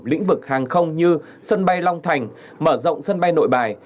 lĩnh vực hàng không như sân bay long thành mở rộng sân bay nội bài